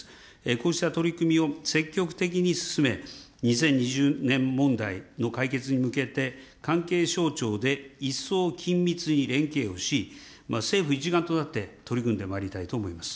こうした取り組みを積極的に進め、２０２０年問題の解決に向けて、関係省庁で一層緊密に連携をし、政府一丸となって取り組んでまいりたいと思います。